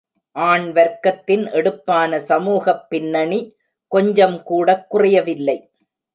ஆண் வர்க்கத்தின் எடுப்பான சமூகப் பின்னணி கொஞ்சம்கூடக் குறையவில்லை.